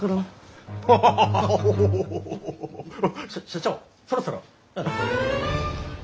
社長そろそろ。